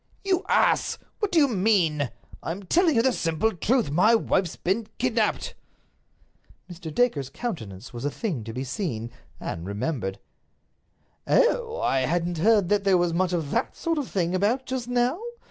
"You ass! What do you mean? I am telling you the simple truth. My wife's been kidnaped." Mr. Dacre's countenance was a thing to be seen—and remembered. "Oh! I hadn't heard that there was much of that sort of thing about just now.